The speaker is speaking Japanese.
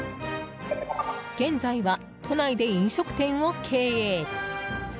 現在は、都内で飲食店を経営。